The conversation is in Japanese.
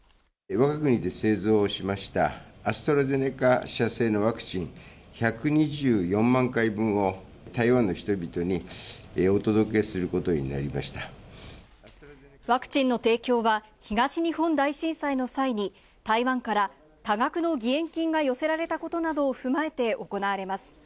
わが国で製造しましたアストラゼネカ社製のワクチン１２４万回分を、台湾の人々にお届けするワクチンの提供は、東日本大震災の際に台湾から多額の義援金が寄せられたことなどを踏まえて行われます。